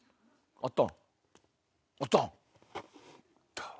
あったわ。